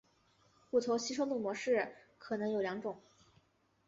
骨头吸收的模式可能有两种。